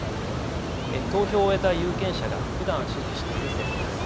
投票を終えた有権者がふだん支持している政党です。